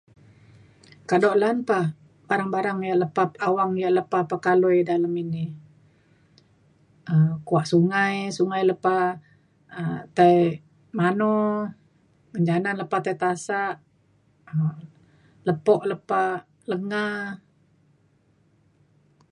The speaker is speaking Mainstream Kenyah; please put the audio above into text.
kaduk lan pe barang-barang ya' lepa awang ya' lepa pekalui dalem ini um kuak sungai lepa um tai mano, janan lepa tai tasak um lepo lepa lenga